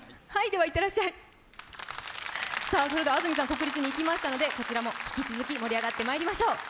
それでは、安住さんが国立に行きましたので、こちらも引き続き盛り上がってまいりましょう。